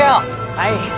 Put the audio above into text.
はい。